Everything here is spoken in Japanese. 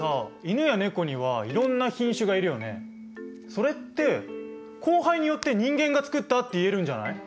それって交配によって人間が作ったって言えるんじゃない？